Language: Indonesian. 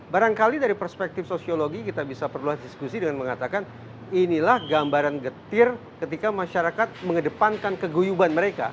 barangkali dari perspektif sosiologi kita bisa perlu diskusi dengan mengatakan inilah gambaran getir ketika masyarakat mengedepankan keguyuban mereka